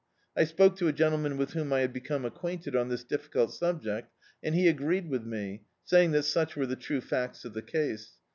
I spoke to a gentleman with whom I had become acquainted, wi this difficult subject, and he agreed with me, saying that such were the true facts of the case.